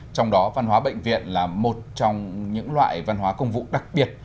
trong đó văn hóa bệnh viện là một trong những loại văn hóa công vụ đặc biệt